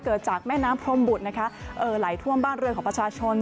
เกิดจากแม่น้ำพรมบุตรนะคะเอ่อไหลท่วมบ้านเรือนของประชาชน